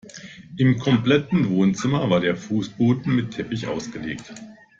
Im kompletten Wohnzimmer war der Fußboden mit Teppich ausgelegt.